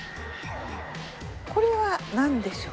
これはなんでしょう？